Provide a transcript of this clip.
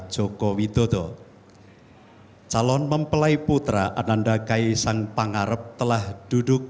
joko widodo menuju tempat duduk